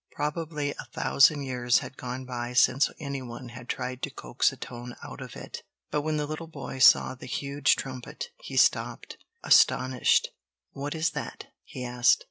Probably a thousand years had gone by since any one had tried to coax a tone out of it. But when the little boy saw the huge trumpet, he stopped—astonished! "What is that?" he asked.